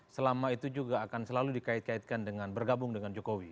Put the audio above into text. selama itu juga akan selalu dikait kaitkan dengan bergabung dengan jokowi